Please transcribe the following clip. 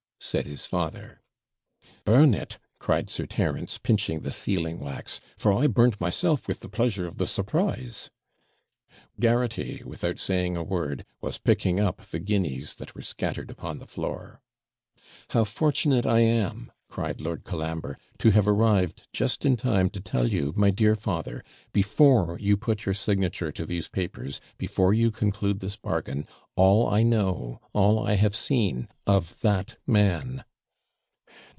said his father. 'Burn it!' cried Sir Terence, pinching the sealing wax; 'for I burnt myself with the pleasure of the surprise.' Garraghty, without saying a word, was picking up the guineas that were scattered upon the floor. 'How fortunate I am,' cried Lord Colambre, 'to have arrived just in time to tell you, my dear father, before you put your signature to these papers, before you conclude this bargain, all I know, all I have seen, of that man!'